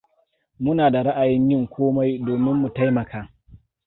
Muna da ra'ayin yin komai domin mu taimaka.